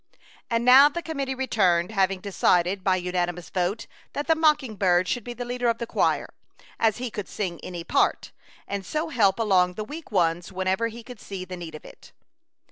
And now the committee returned, laving decided, by unanimous vote. A Chautauqua Idyl. 95 that the mocking bird should be the leader of the choir, as he could sing any part, and so help along the weak ones whenever he could see the need of it.